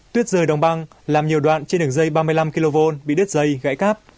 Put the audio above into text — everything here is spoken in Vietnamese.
tuyết rời đồng băng làm nhiều đoạn trên đường dây ba mươi năm kv bị đứt dây gãy cáp